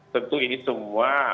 tentu ini semua